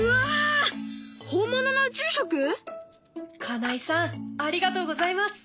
金井さんありがとうございます！